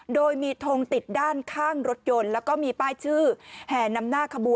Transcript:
โดยมีทงติดด้านข้างรถยนต์แล้วก็มีป้ายชื่อแห่นำหน้าขบวน